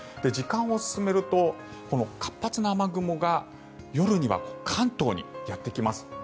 時間を進めるとこの活発な雨雲が夜には関東にやってきます。